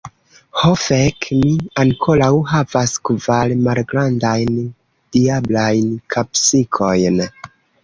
Ho fek, mi ankoraŭ havas kvar malgrandajn diablajn kapsikojn.